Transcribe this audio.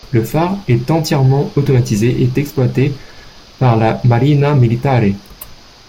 Le phare est entièrement automatisé et exploité par la Marina Militare.